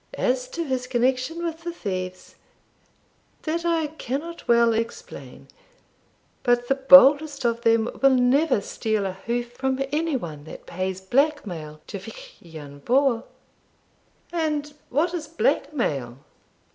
As to his connection with the thieves, that I cannot well explain; but the boldest of them will never steal a hoof from any one that pays black mail to Vich lan Vohr.' 'And what is black mail?'